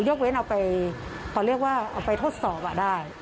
ยกเว้นเอาไปทดสอบอ่ะได้